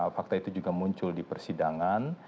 fakta itu juga muncul di persidangan